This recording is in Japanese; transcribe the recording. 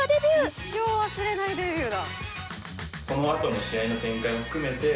一生忘れないデビューだ。